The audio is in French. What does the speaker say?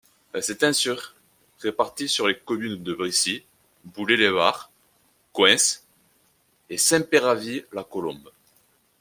Elle s'étend sur répartis sur les communes de Bricy, Boulay-les-Barres, Coinces et Saint-Péravy-la-Colombe.